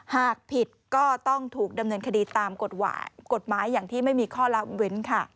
หากผิดก็ต้องถูกดำเนินคดีตามกฎหมายอย่างที่ไม่มีข้อละเว้นค่ะ